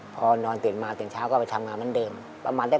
พอนอนเตือนมาเตือนเช้าก็ไปทำงานเหมือนเดิม